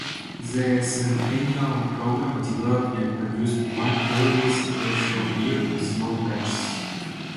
The centennial program developed and produced one yearly special beer in small batches.